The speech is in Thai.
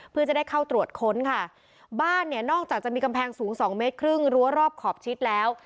เพื่อจะได้เข้าตรวจค้นบ้านนอกจากจะมีกำแพงสูง๒๕เมตรรั้วรอบขอบชิดแล้ว